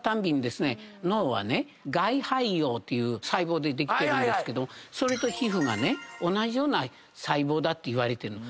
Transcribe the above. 脳は外胚葉という細胞でできてるんですけどそれと皮膚が同じような細胞だって言われてるの。